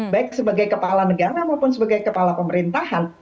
baik sebagai kepala negara maupun sebagai kepala pemerintahan